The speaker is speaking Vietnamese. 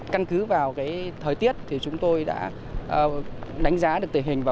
căn cứ vào thời tiết chúng tôi đã đánh giá được tình hình